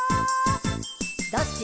「どっち？」